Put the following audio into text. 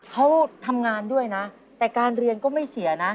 เขาทำงานด้วยนะแต่การเรียนก็ไม่เสียนะ